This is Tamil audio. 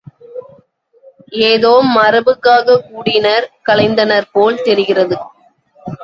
ஏதோ மரபுக்காகக் கூடினர், கலைந்தனர் போல் தெரிகிறது.